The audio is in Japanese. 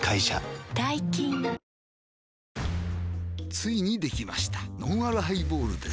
ついにできましたのんあるハイボールです